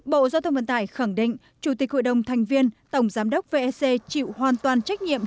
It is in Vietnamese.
bộ giao thông vận tải khẳng định chủ tịch hội đồng thành viên tổng giám đốc vec chịu hoàn toàn trách nhiệm